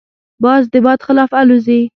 باز د باد خلاف الوزي